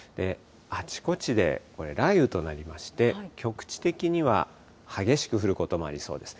あちこちで雷雨となりまして、局地的には激しく降ることもありそうです。